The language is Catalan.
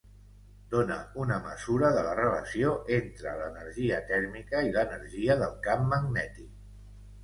Dóna una mesura de la relació entre l'energia tèrmica i l'energia del camp magnètic.